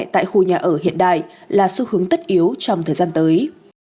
tại khu nhà ở hiện đại là xu hướng tất yếu trong thời gian tới